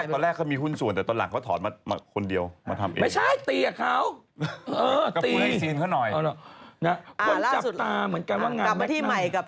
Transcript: ตอนแรกเขามีหุ้นส่วนแต่ตอนหลังเขาถอดคนเดียวไม่ใช่ตีอ่ะเขา